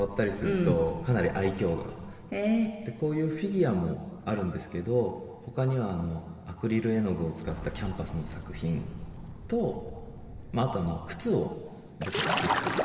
こういうフィギュアもあるんですけど他にはアクリル絵の具を使ったキャンバスの作品とあと靴を僕作っていて。